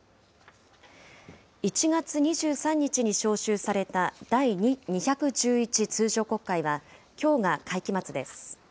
１月２３日に召集された第２１１通常国会は、きょうが会期末です。